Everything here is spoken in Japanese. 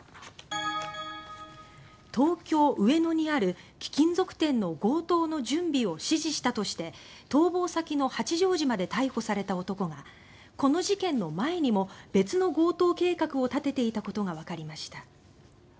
東京・上野にある貴金属店の強盗の準備を指示したとして逃亡先の八丈島で逮捕された男がこの事件の前にも別の強盗計画を立てていたことがわかりました。